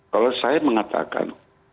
kalau saya mengatakan